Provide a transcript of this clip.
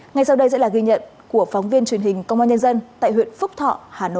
ngay sau đây sẽ là ghi nhận của phóng viên truyền hình công an nhân dân tại huyện phúc thọ hà nội